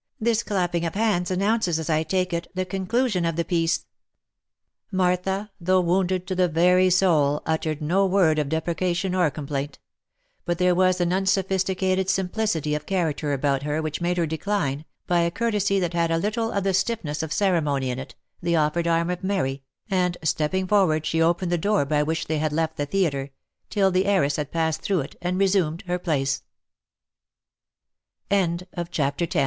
This clapping of hands announces, as I take it, the conclusion of the piece." Martha, though wounded to the very soul, uttered no word of de precation or complaint ; but there was an unsophisticated simplicity of character about her which made her decline, by a courtesy that had a little of the stiffness of ceremony in it, the offered arm of Mary, and stepping forward she opened the door by which they had left the theatre, till the heiress had passed through it, and resumed her place. CHAPTER XI.